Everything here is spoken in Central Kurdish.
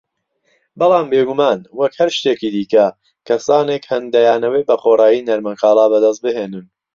بەڵام بیگومان وەک هەر شتێکی دیکە، کەسانێک هەن دەیانەوێ بەخۆڕایی نەرمەکاڵا بەدەست بهێنن